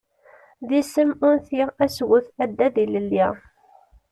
D isem unti, asget, addad ilelli.